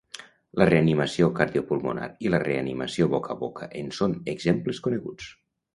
La reanimació cardiopulmonar i la reanimació boca a boca en són exemples coneguts.